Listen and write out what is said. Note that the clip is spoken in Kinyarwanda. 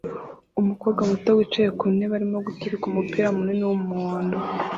Umukobwa muto wicaye ku ntebe arimo guturika umupira munini w'umuhondo